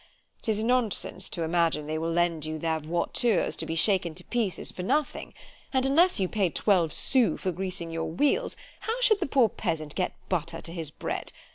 —'Tis nonsense to imagine they will lend you their voitures to be shaken to pieces for nothing; and unless you pay twelve sous for greasing your wheels, how should the poor peasant get butter to his bread?